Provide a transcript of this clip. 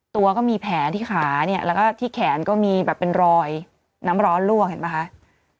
ตัวก็มีแผลที่ขาเนี่ยแล้วก็ที่แขนก็มีแบบเป็นรอยน้ำร้อนลวกเห็นป่ะคะ